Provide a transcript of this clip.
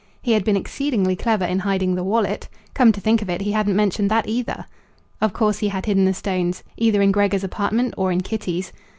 He had been exceedingly clever in hiding the wallet. Come to think of it, he hadn't mentioned that, either. Of course he had hidden the stones either in Gregor's apartment or in Kitty's.